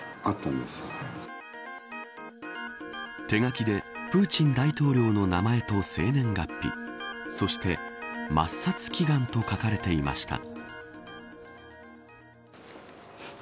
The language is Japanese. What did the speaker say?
手書きでプーチン大統領の名前と生年月日そして抹殺祈願と書かれていました。